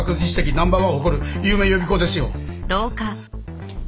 ナンバーワンを誇る有名予備校ですよ。